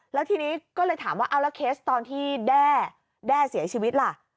แล้วทีนี้ก็เลยถามว่าเอาแล้วเคสตอนที่แด้เสียชีวิตล่ะ